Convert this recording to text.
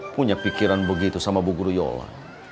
punya pikiran begitu sama bu guru yola